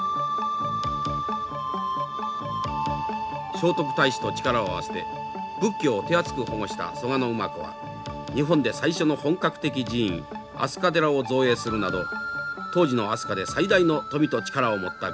聖徳太子と力を合わせて仏教を手厚く保護した蘇我馬子は日本で最初の本格的寺院飛鳥寺を造営するなど当時の飛鳥で最大の富と力を持った豪族でした。